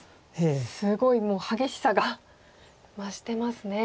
すごい激しさが増してますね。